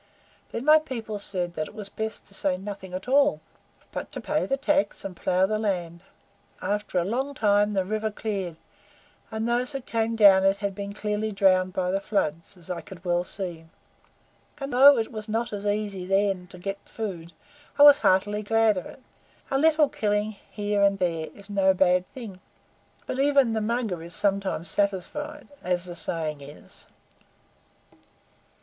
Then my people said that it was best to say nothing at all, but to pay the tax and plough the land. After a long time the river cleared, and those that came down it had been clearly drowned by the floods, as I could well see; and though it was not so easy then to get food, I was heartily glad of it. A little killing here and there is no bad thing but even the Mugger is sometimes satisfied, as the saying is."